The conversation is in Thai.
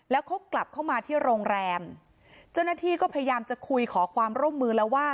แล้วเขากลับเข้ามาที่โรงแรมเจ้าหน้าที่ก็พยายามจะคุยขอความร่วมมือแล้วว่า